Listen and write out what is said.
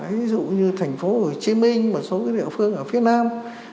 ví dụ như thành phố hồ chí minh một số địa phương ở phía nam